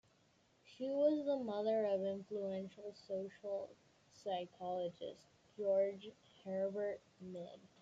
She was the mother of influential social psychologist George Herbert Mead.